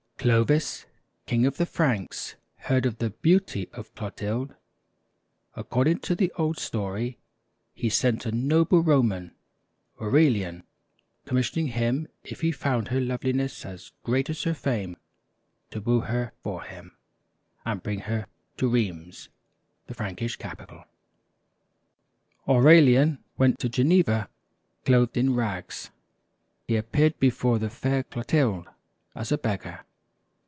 Clovis, King of the Franks, heard of the beauty of Clotilde. According to the old story, he sent a noble Roman, Aurelian, commissioning him, if he found her loveliness as great as her fame, to woo her for him, and bring her to Rheims, the Frankish capital. Aurelian went to Geneva clothed in rags. He appeared before the fair Clotilde as a beggar.